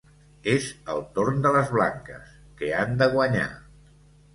És el torn de les blanques, que han de guanyar.